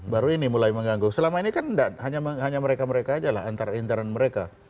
baru ini mulai mengganggu selama ini kan hanya mereka mereka aja lah antara intern mereka